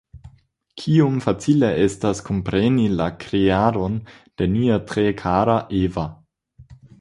Kiom facile estas kompreni la kreadon de nia tre kara Eva!